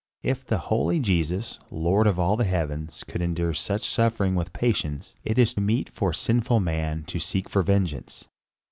If the holy Jesus, Lord of all the heavens, could endure such suffering with patience, is it meet for sinful man to seek for vengeance?"